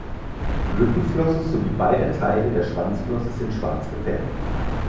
Rückenflosse sowie beider Teile der Schwanzflosse sind schwarz gefärbt.